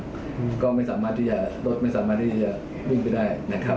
รถไม่สามารถที่จะวิ่งไปได้